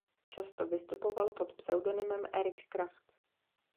Často vystupoval pod pseudonymem Eric Kraft.